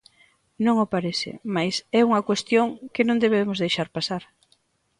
Non o parece, mais é unha cuestión que non debemos deixar pasar.